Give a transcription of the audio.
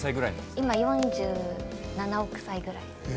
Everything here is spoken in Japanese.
今４７億歳ぐらい。